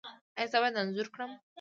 ایا زه باید انځور کړم؟